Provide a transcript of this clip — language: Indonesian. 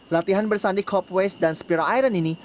latihan bersandik hopways dan spira iron ini